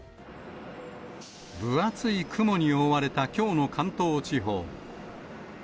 分厚い雲に覆われたきょうの関東地方。